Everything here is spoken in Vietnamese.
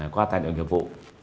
qua tài lượng nhiệm vụ